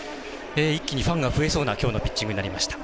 一気にファンが増えそうなきょうのピッチングになりました。